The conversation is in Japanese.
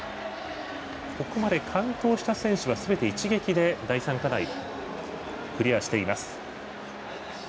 ここまで完登した選手がすべて一撃で第３課題、クリアしています。